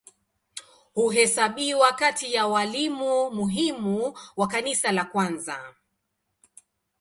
Huhesabiwa kati ya walimu muhimu wa Kanisa la kwanza.